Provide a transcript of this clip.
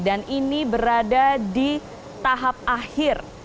dan ini berada di tahap akhir